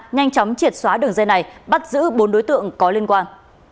nhanh chóng triệt xóa đường dây này bắt giữ bốn đối tượng có liên quan